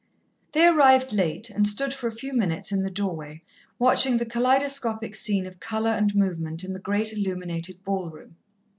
They arrived late, and stood for a few minutes in the doorway, watching the kaleidoscopic scene of colour and movement in the great illuminated ballroom.